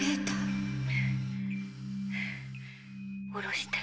下ろして。